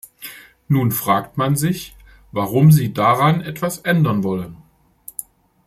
Nun fragt man sich, warum Sie daran etwas ändern wollen.